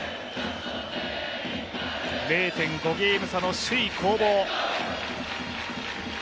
０．５ゲーム差の首位攻防。